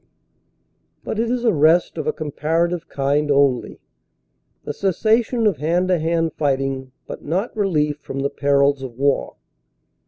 But it is rest of a comparative kind only; the cessation of hand to hand fighting but not relief from the perils of war.